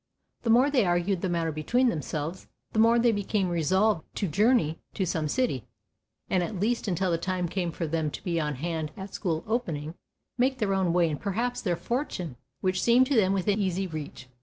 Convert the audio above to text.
The more they argued the matter between themselves, the more they became resolved to journey to some city, and at least until the time came for them to be on hand at school opening, make their own way and perhaps their fortune, which seemed to them within easy reach.